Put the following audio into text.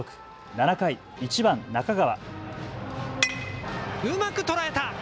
７回、１番・中川。